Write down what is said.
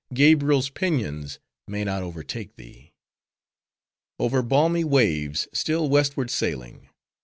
— Gabriel's pinions may not overtake thee! Over balmy waves, still westward sailing!